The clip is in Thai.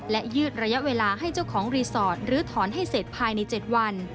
และยืดระยะเวลาให้เจ้าของรีสอร์ทหรือถอนให้เสร็จภายใน๗วัน